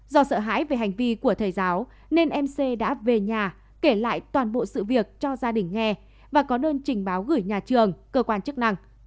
do sợ hãi về hành vi của thầy giáo nên mc đã về nhà kể lại toàn bộ sự việc cho gia đình nghe và có đơn trình báo gửi nhà trường cơ quan chức năng